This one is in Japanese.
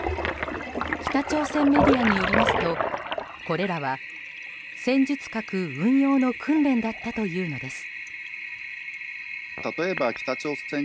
北朝鮮メディアによりますとこれらは、戦術核運用の訓練だったというのです。